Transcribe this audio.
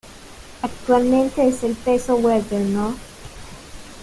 Actualmente es el peso welter No.